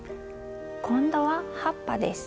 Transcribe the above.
今度は葉っぱです。